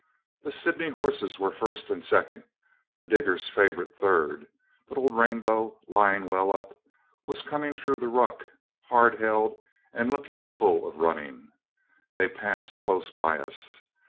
The Sydney horses were first and second, the diggers' favourite third; but old Rainbow, lying well up, was coming through the ruck hard held and looking full of running. They passed close by us.